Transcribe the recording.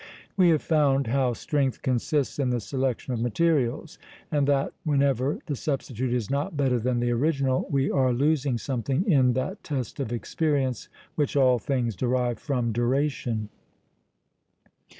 We have found how strength consists in the selection of materials, and that, whenever the substitute is not better than the original, we are losing something in that test of experience, which all things derive from duration.